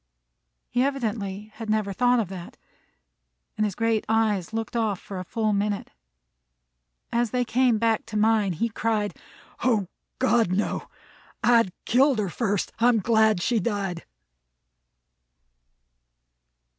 He evidently had never thought of that, and his great eyes looked off for a full minute. As they came back to mine, he cried: "O God, no! I'd killed her first. I'm glad she died."